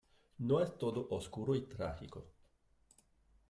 No es todo oscuro y trágico.